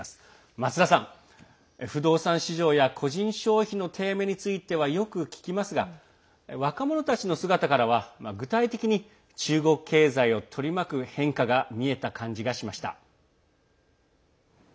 松田さん、不動産市場や個人消費の低迷についてはよく聞きますが若者たちの姿からは具体的に中国経済を取り巻く変化が見えた感じがしました。